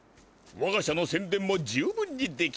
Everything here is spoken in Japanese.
わが社のせんでんも十分にできたよ。